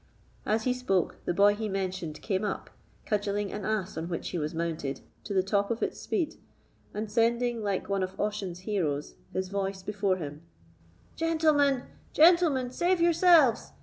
As he spoke, the boy he mentioned came up, cudgelling an ass, on which he was mounted, to the top of its speed, and sending, like one of Ossian's heroes, his voice before him: "Gentlemen—gentlemen, save yourselves!